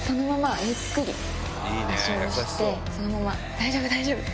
・大丈夫大丈夫・そう！